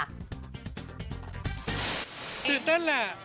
ตื่นเต้นแหละ